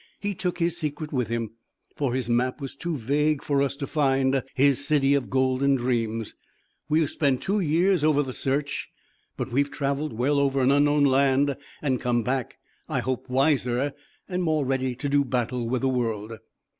He took his secret with him, for his map was too vague for us to find his city of golden dreams. We have spent two years over the search, but we have travelled well over an unknown land and come back, I hope, wiser and more ready to do battle with the world."